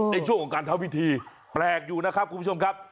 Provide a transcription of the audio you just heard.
ในช่วงของการทำพิธีแปลกอยู่นะครับคุณผู้ชมครับ